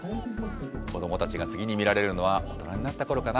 子どもたちが次に見られるのは、大人になったころかな。